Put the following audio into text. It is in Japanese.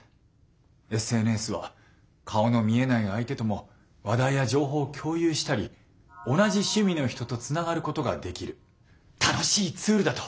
ＳＮＳは顔の見えない相手とも話題や情報を共有したり同じ趣味の人とつながることができる楽しいツールだと私も思います。